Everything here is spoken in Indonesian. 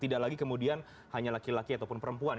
tidak lagi kemudian hanya laki laki ataupun perempuan